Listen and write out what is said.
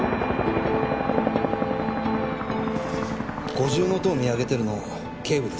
五重塔を見上げてるの警部ですね？